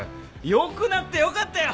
良くなってよかったよ！